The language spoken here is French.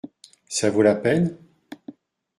Ça vaut la peine ?